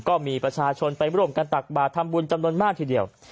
ก็มีประชาชนไปร่วมกันตักบาททำบุญจำนวนมากทีเดียว